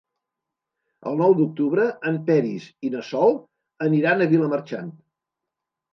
El nou d'octubre en Peris i na Sol aniran a Vilamarxant.